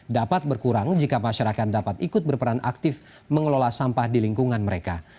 dapat berkurang jika masyarakat dapat ikut berperan aktif mengelola sampah di lingkungan mereka